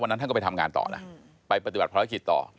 วันนั้นท่านก็ไปทำงานต่อนะไปปฏิบัติภรรยาคิดต่อ